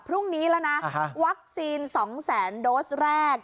พรุ่งนี้แล้วนะวัคซีน๒แสนโดสแรก